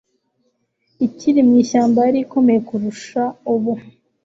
ikiri mu ishyamba yari ikomeye kurusha ubu